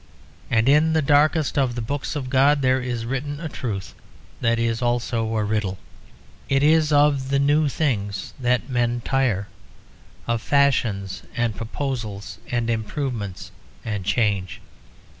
And in the darkest of the books of God there is written a truth that is also a riddle. It is of the new things that men tire of fashions and proposals and improvements and change.